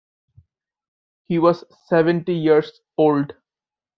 He was seventy years old.